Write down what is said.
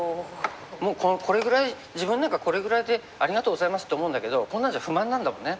もうこれぐらい自分なんかこれぐらいで「ありがとうございます」と思うんだけどこんなんじゃ不満なんだもんね。